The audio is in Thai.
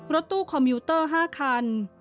รถตู้คอมพิวเตอร์๕คัน